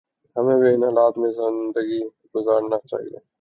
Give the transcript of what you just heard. ہمیں بھی ان حالات میں زندگی گزارنا چاہیے